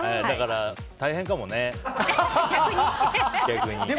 だから、大変かもね、逆に。